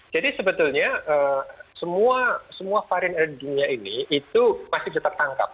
jadi sebetulnya semua varian air di dunia ini itu masih bisa tertangkap